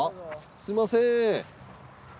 すみません。